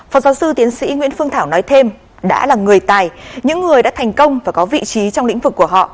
phó giáo sư tiến sĩ nguyễn phương thảo nói thêm đã là người tài những người đã thành công và có vị trí trong lĩnh vực của họ